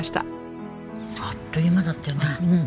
あっという間だったよね。